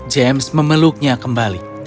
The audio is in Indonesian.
james memeluknya kembali